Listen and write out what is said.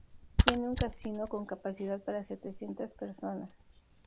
Tiene un casino con capacidad para setecientas personas.